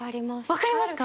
分かりますか？